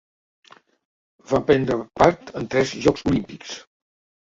Va prendre part en tres Jocs Olímpics.